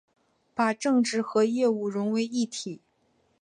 把政治和业务融为一体